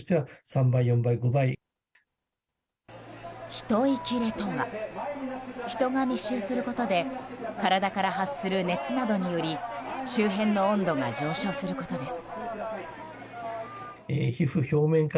人いきれとは人が密集することで体から発する熱などにより周辺の温度が上昇することです。